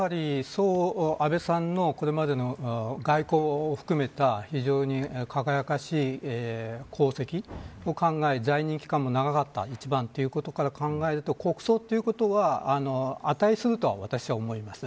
安倍さんのこれまでの外交を含めた非常に輝かしい功績を考え、在任期間も長かったということから考えると国葬ということは値すると私は思います。